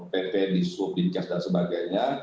dpi di swu dincas dan sebagainya